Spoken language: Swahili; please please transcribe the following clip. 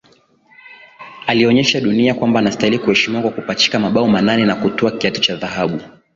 alionyesha dunia kwamba anastahili kuheshimiwa kwa kupachika mabao manane na kutwaa kiatu cha dhahabu